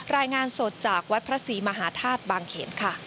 รายงานสดจากวัดพระศรีมหาธาตุบางเขนค่ะ